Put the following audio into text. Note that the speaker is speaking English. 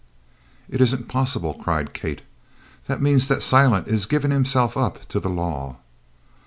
"It isn't possible!" cried Kate. "That means that Silent is giving himself up to the law!"